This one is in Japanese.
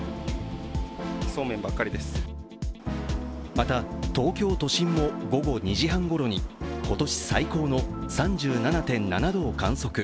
また、東京都心も午後２時半ごろに今年最高の３７．７度を観測。